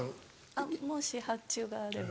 あっもし発注があれば。